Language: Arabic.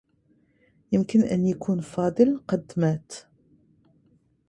يمكن أن يكون فاضل قد مات.